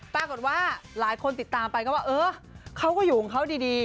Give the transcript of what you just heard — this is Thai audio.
ปรากฏว่าหลายคนติดตามไปก็ว่าเออเขาก็อยู่ของเขาดี